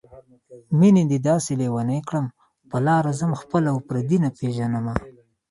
مينې دې داسې لېونی کړم په لاره ځم خپل او پردي نه پېژنمه